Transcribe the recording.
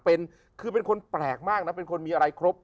เป็นคือเป็นคนแปลกมากนะเป็นคนมีอะไรครบ